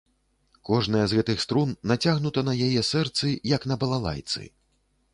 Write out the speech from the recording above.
Кожная з гэтых струн нацягнута на яе сэрцы, як на балалайцы.